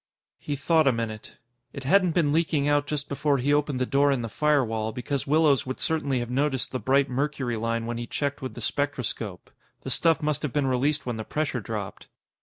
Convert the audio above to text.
He thought a minute. It hadn't been leaking out just before he opened the door in the firewall, because Willows would certainly have noticed the bright mercury line when he checked with the spectroscope. The stuff must have been released when the pressure dropped.